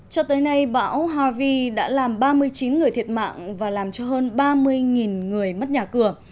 cho tới nay bão havi đã làm ba mươi chín người thiệt mạng và làm cho hơn ba mươi người mất nhà cửa